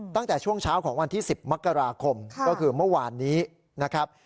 ตั้งแต่ช่วงเช้าของวันที่๑๐มกราคมก็คือเมื่อวานนี้นะครับ